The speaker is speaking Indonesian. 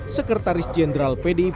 sekretaris jenderal pdi perjuangan hasto kulit